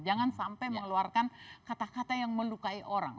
jangan sampai mengeluarkan kata kata yang melukai orang